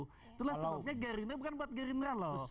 itulah sebabnya gering gera bukan buat gering gera loh